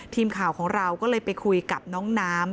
ทีมข่าวของเราก็เลยไปคุยกับน้องน้ำ